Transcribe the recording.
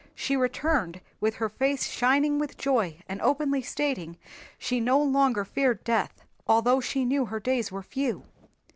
She returned with her face shining with joy and openly stating she no longer feared death although she knew her days were few.